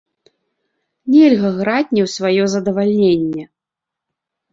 Нельга граць не ў сваё задавальненне!